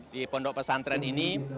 di pondok pesantren ini